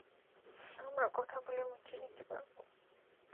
আমরা কথা বলে মিটিয়ে নিতে পারব।